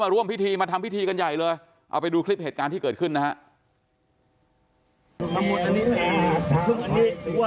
ร่วมพิธีมาทำพิธีกันใหญ่เลยเอาไปดูคลิปเหตุการณ์ที่เกิดขึ้นนะฮะ